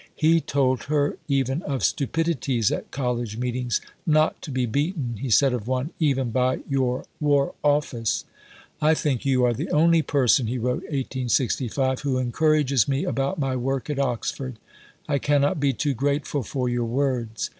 He told her even of stupidities at College meetings "not to be beaten," he said of one, "even by your War Office." "I think you are the only person," he wrote (1865), "who encourages me about my work at Oxford. I cannot be too grateful for your words."